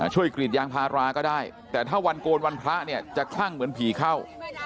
กรีดยางพาราก็ได้แต่ถ้าวันโกนวันพระเนี่ยจะคลั่งเหมือนผีเข้า